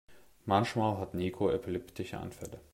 Manchmal hat Niko epileptische Anfälle.